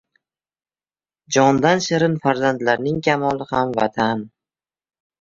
Jondan shirin farzandlarning kamoli ham Vatan.